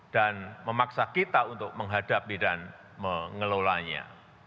dan memaksa kita untuk menghadapi dan mengelolanya